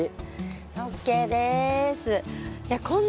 ＯＫです。